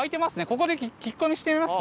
ここで聞き込みしてみます？